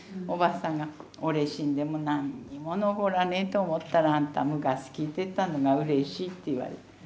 おばあさんが「俺死んでも何にも残らねえと思ったらあんた昔きいてたのがうれしい」って言われて。